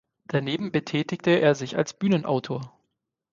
Daneben betätigte er sich als Bühnenautor.